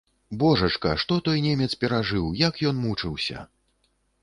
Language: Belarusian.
Божачка, што той немец перажыў, як ён мучыўся!